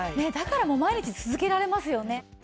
だから毎日続けられますよね。